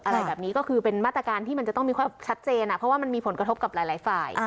อะไรแบบนี้ก็คือเป็นมาตรการที่มันจะต้องมีความชัดเจนเพราะว่ามันมีผลกระทบกับหลายฝ่าย